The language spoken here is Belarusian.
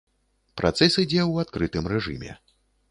Працэс ідзе ў адкрытым рэжыме.